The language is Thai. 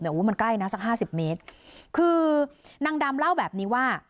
โอ้โหมันใกล้นะสักห้าสิบเมตรคือนางดำเล่าแบบนี้ว่า